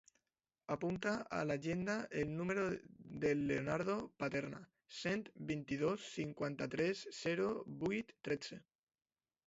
Apunta a l'agenda el número del Leonardo Paterna: set, vint-i-dos, cinquanta-tres, zero, vuit, tretze.